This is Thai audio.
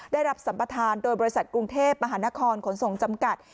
ได้รับสัมประธานโดยบริษัทกรุงเทพมหานครขนส่งจำกัด